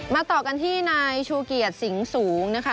ต่อกันที่นายชูเกียจสิงห์สูงนะคะ